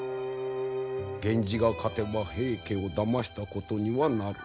源氏が勝てば平家をだましたことにはなる。